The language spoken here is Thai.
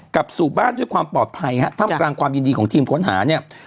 กลับสู่บ้านด้วยความปลอดภัยทำกรรมความยินดีของทีมค้นหา